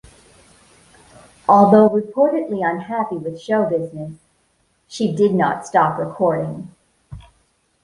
Although reportedly unhappy with show business, she did not stop recording.